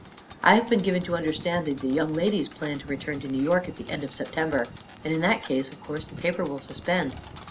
"I have been given to understand the young ladies plan to return to New York at the end of September, and in that case of course the paper will suspend."